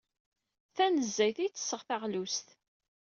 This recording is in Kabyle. Tanezzayt ay ttesseɣ taɣlust.